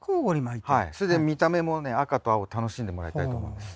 それで見た目もね赤と青を楽しんでもらいたいと思うんです。